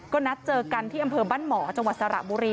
ก็นัดเจอกันที่อำเภอบ้านหมอจังหวัดสระบุรี